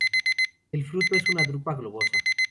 El fruto es una drupa globosa.